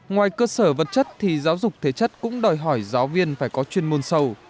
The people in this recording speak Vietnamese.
ngoài cơ sở vật chất thì giáo dục thể chất cũng đòi hỏi giáo viên phải có chuyên môn sâu